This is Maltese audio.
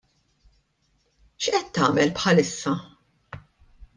X’qed tagħmel bħalissa?